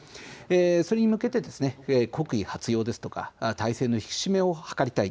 それに向けて国威発揚や体制の引き締めを図りたい